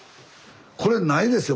これないですよ